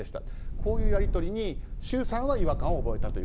こういうやり取りに周さんは違和感を覚えたと。